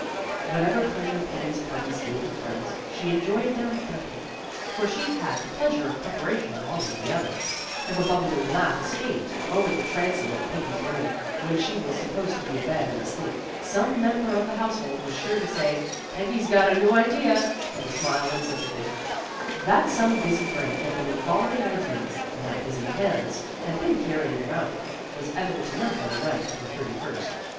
Whatever pleasure Peggy's parties gave her friends, she enjoyed them doubly, for she had the pleasure of preparation along with the other. If a bubbling laugh escaped over the A SHEETED FIGURE AT THE DOOH WELCOMED EACH COMER WITH EXTENDED HAND." A HALLOWE'EN PARTY 71 transom of Peggy's room, when she was sup posed to be abed and asleep, some member of the household was sure to say, " Peggy's got a new idea," and to smile in sympathy. That some busy brain had been evolving ideas, and that busy hands had been carrying them out, was evident enough on the night of the thirty first.